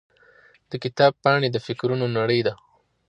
د کتاب پاڼې د فکرونو نړۍ ده.